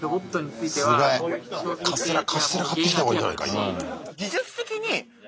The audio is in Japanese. カステラ買ってきた方がいいんじゃないか？